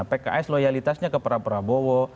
pks loyalitasnya ke prabowo